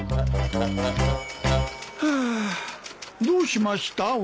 どうしました？